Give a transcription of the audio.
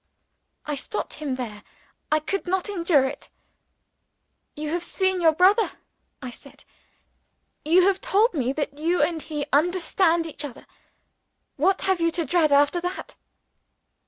I stopped him there I could not endure it. "You have seen your brother," I said. "You have told me that you and he understand each other. What have you to dread after that?"